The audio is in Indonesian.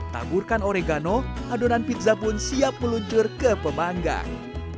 taburkan oregano adonan pizza pun siap meluncur ke pemanggang